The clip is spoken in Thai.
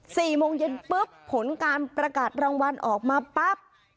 สี่โมงเย็นปุ๊บผลการประกาศรางวัลออกมาปั๊บ